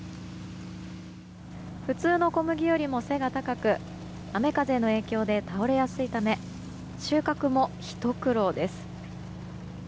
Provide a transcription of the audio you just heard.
普通の小麦よりも背が高く雨風の影響で倒れやすいため収穫もひと苦労です。